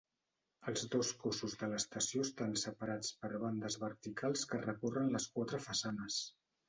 Els dos cossos de l'estació estan separats per bandes verticals que recorren les quatre façanes.